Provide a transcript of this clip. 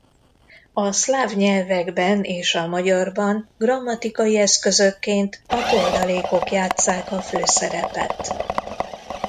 A szláv nyelvekben és a magyarban grammatikai eszközökként a toldalékok játsszák a főszerepet.